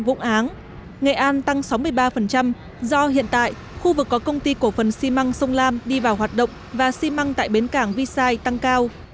vũng áng nghệ an tăng sáu mươi ba do hiện tại khu vực có công ty cổ phần xi măng sông lam đi vào hoạt động và xi măng tại bến cảng v side tăng cao